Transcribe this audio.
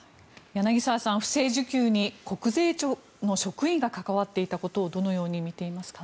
柳澤さん、不正受給に国税局の職員が関わっていたことをどのように思いますか？